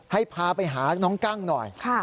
ให้พาไปหาน้องกั้งหน่อย